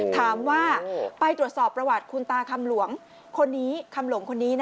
ถามว่าไปตรวจสอบประวัติคุณตาคำหลวงคนนี้